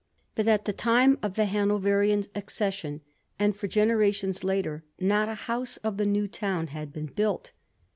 But at the time of the Hanoveriaa accession, and for generations later, not a house of the new town had been built.